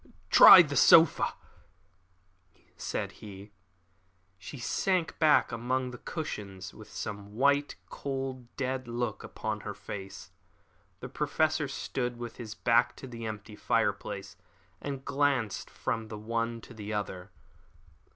"Try this sofa," said he. She sank back among the cushions with the same white, cold, dead look upon her face. The Professor stood with his back to the empty fireplace and glanced from the one to the other.